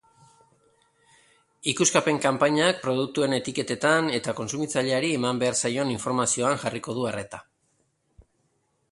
Ikuskapen-kanpainak produktuen etiketetan eta kontsumitzaileari eman behar zaion informazioan jarriko du arreta.